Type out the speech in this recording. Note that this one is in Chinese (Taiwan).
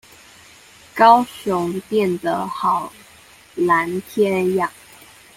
高雄變得好藍天阿